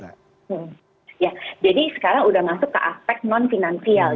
ya jadi sekarang sudah masuk ke aspek non finansial